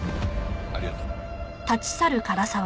ありがとう。